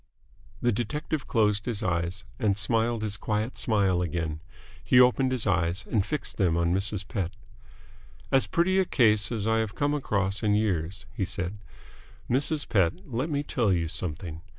The detective closed his eyes, and smiled his quiet smile again. He opened his eyes, and fixed them on Mrs. Pett. "As pretty a case as I have come across in years," he said. "Mrs. Pett, let me tell you something.